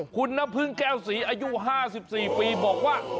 คุณน้ำพึ่งแก้วศรีอายุ๕๔ปีบอกว่า